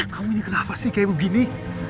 kamu ini kenapa sih kayak begini